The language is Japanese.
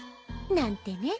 なんてね。